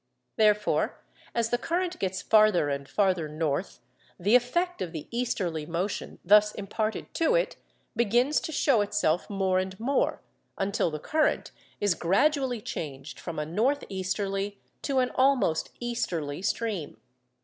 Therefore, as the current gets farther and farther north, the effect of the easterly motion thus imparted to it begins to show itself more and more, until the current is gradually changed from a north easterly to an almost easterly stream.